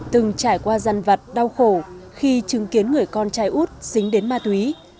từng trải qua gian vật đau khổ khi chứng kiến người con trai út dính đến ma túy